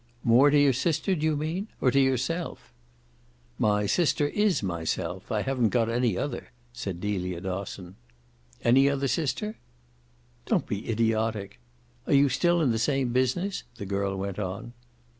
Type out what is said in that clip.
"More to your sister, do you mean or to yourself?" "My sister IS myself I haven't got any other," said Delia Dosson. "Any other sister?" "Don't be idiotic. Are you still in the same business?" the girl went on.